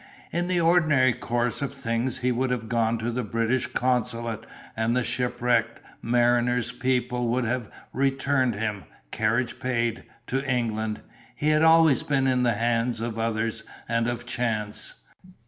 In the ordinary course of things he would have gone to the British consulate and the Shipwrecked Mariners' people would have returned him, carriage paid, to England. He had always been in the hands of others and of chance.